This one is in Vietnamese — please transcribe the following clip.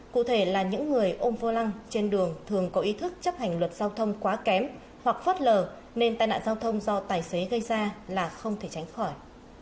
cụ thể là những người ôm vô lăng trên đường thường có ý thức chấp hành luật giao thông quá kém hoặc phớt lờ nên tai nạn giao thông do tài xế gây ra là không thể tránh khỏi